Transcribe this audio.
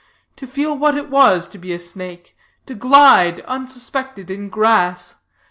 to feel what it was to be a snake? to glide unsuspected in grass?